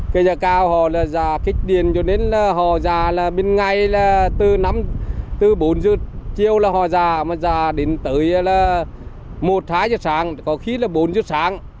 cây giả cao họ là giả kích điện cho nên là họ giả là bên ngay là từ bốn giờ chiều là họ giả mà giả đến tới là một hai giờ sáng có khi là bốn giờ sáng